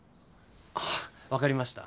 あぁわかりました。